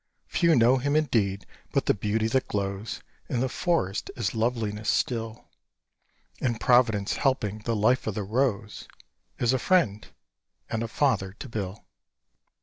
Few know him, indeed; but the beauty that glows In the forest is loveliness still; And Providence helping the life of the rose Is a Friend and a Father to Bill.